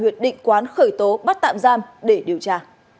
huyện định quán khởi tố bắt tạm giam để điều tra